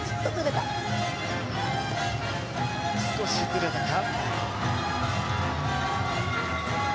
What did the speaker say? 少しずれたか。